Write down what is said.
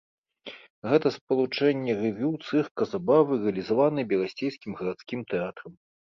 Гэта спалучэнне рэвю, цырка, забавы рэалізаванае берасцейскім гарадскім тэатрам.